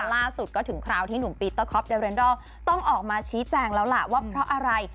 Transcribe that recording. ล่าสุดก็ถึงคราวที่หนุ่มปีเตอร์คอปเดอเรนดอลต้องออกมาชี้แจงแล้วล่ะว่าเพราะอะไร